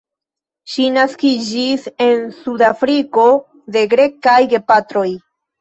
Ŝi naskiĝis en Sudafriko de grekaj gepatroj.